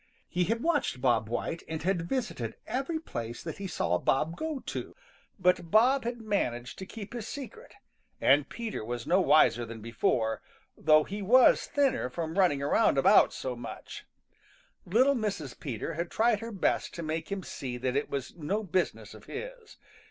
He had watched Bob White and had visited every place that he saw Bob go to, but Bob had managed to keep his secret and Peter was no wiser than before, though he was thinner from running about so much. Little Mrs. Peter had tried her best to make him see that it was no business of his.